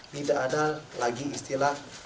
tidak ada lagi istilah